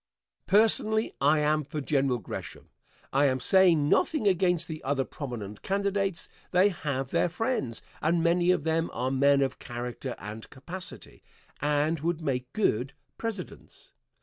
Answer. Personally, I am for General Gresham. I am saying nothing against the other prominent candidates. They have their friends, and many of them are men of character and capacity, and would make good Presidents.